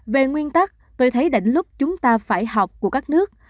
về nguyên tắc tôi thấy đến lúc chúng ta phải học của các nước